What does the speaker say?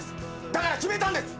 だから決めたんです。